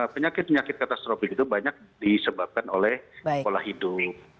penyakit penyakit katastrofik itu banyak disebabkan oleh pola hidup